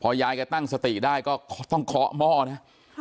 ยายแกตั้งสติได้ก็ต้องเคาะหม้อนะ